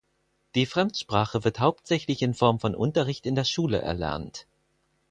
Die Fremdsprache wird hauptsächlich in Form von Unterricht in der Schule erlernt.